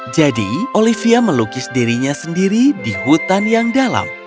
jadi olivia melukis dirinya sendiri di hutan yang dalam